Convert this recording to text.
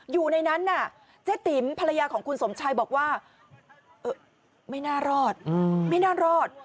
อยู่ในนั้นเจ้าติ๋มภรรยาของคุณสมชัยบอกว่าไม่น่ารอด